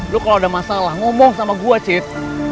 lo kalau ada masalah ngomong sama gue cip